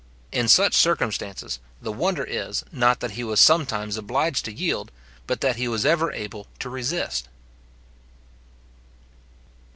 In such circumstances, the wonder is, not that he was sometimes obliged to yield, but that he ever was able to resist.